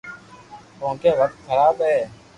ڪونڪہ وقت خراب ھي